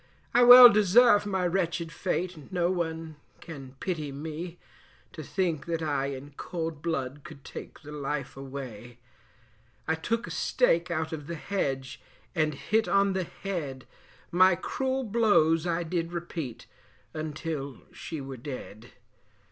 I well deserve my wretched fate, no one can pity me, To think that I in cold blood could take the life away; I took a stake out of the hedge and hit on the head, My cruel blows I did repeat until she were dead.